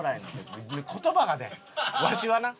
言葉が出んわしはな。